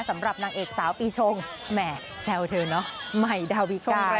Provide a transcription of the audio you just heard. สำหรับนางเอกสาวปีชงแหม่แซวเธอเนอะใหม่ดาวิกา